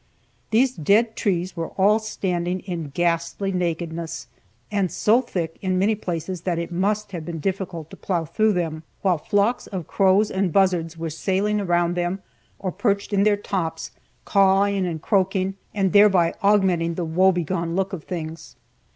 These dead trees were all standing in ghastly nakedness, and so thick in many places that it must have been difficult to plow through them, while flocks of crows and buzzards were sailing around them or perched in their tops, cawing and croaking, and thereby augmenting the woe begone looks of things.